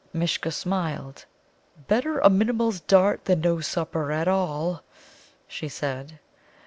Mishcha smiled. "Better a Minimul's dart than no supper at all," she said.